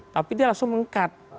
tapi dia langsung meng cut